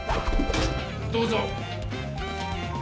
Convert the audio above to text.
どうぞ！